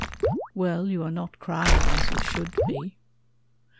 Well, you are not crying, as you should be.